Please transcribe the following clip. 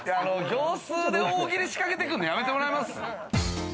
業スーで大喜利仕掛けてくんのやめてもらえます？